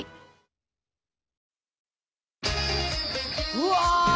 うわ！